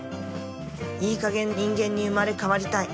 いいかげん人間に生まれ変わりたい。